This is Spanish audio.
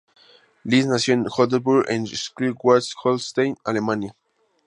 Liss nació en Oldenburg en Schleswig-Holstein, Alemania.